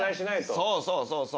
そうそうそうそう。